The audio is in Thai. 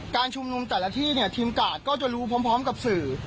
การชุมนุมแต่ละที่เนี่ยทีมกาดก็จะรู้พร้อมกับสื่อ